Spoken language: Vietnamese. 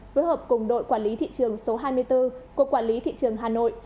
phối hợp cùng đội quản lý thị trường số hai mươi bốn của quản lý thị trường hà nội